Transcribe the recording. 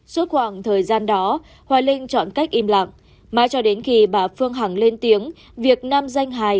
suốt khoảng thời gian đó hoài linh chọn cách im lặng mà cho đến khi bà phương hằng lên tiếng